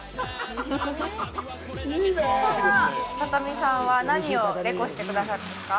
そんなＴＡＴＡＭＩさんは何をレコしてくださるんですか？